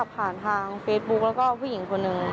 ก็หายไปเลยค่ะแล้วก็ได้ติดต่อกันโดยตรง